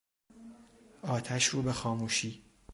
آتش رو به خاموشی